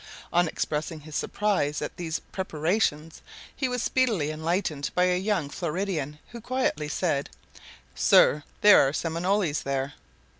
On expressing his surprise at these preparations, he was speedily enlightened by a young Floridan, who quietly said: "Sir, there are Seminoles there."